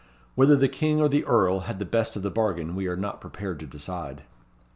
Whether the King or the Earl had the best of the bargain, we are not prepared to decide.